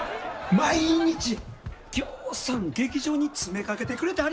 毎日ぎょうさん劇場に詰めかけてくれてはります。